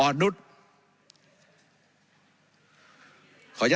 อ่อนนุษย์